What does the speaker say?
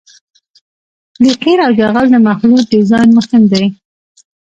د قیر او جغل د مخلوط ډیزاین مهم دی